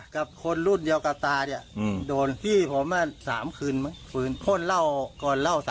กับคนรุ่นเดียวกับตาเนี่ยโดนพี่ผม๓คืนคนเล่าก่อนเล่า๓